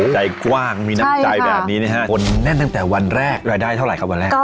ใจกว้างมีน้ำใจแบบนี้นะฮะคนแน่นตั้งแต่วันแรกรายได้เท่าไหร่ครับวันแรก